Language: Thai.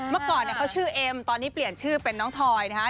เมื่อก่อนเนี่ยเขาชื่อเอ็มตอนนี้เปลี่ยนชื่อเป็นน้องทอยนะฮะ